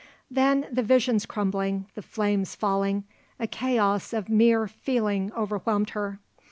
Then, the visions crumbling, the flames falling, a chaos of mere feeling overwhelmed her.